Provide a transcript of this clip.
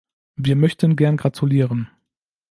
Wir möchten gern gratulieren.